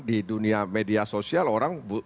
di dunia media sosial orang